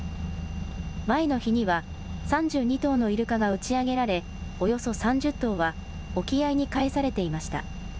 前の日には３２頭のイルカが打ち上げられ、およそ３０頭は沖合に帰されていました。